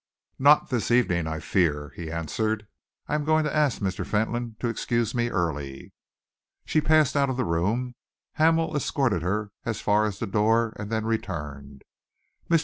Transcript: "Not this evening, I fear," he answered. "I am going to ask Mr. Fentolin to excuse me early." She passed out of the room. Hamel escorted her as far as the door and then returned. Mr.